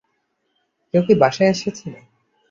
কেউ কী বাসায় এসেছিলো?